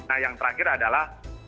nah yang terakhir adalah